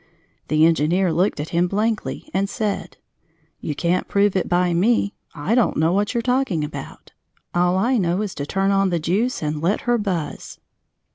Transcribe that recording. The engineer looked at him blankly and said: "You can't prove it by me. I don't know what you're talking about. All I know is to turn on the juice and let her buzz."